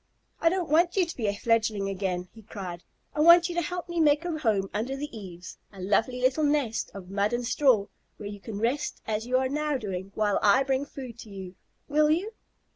"I don't want you to be a fledgling again," he cried. "I want you to help me make a home under the eaves, a lovely little nest of mud and straw, where you can rest as you are now doing, while I bring food to you. Will you?"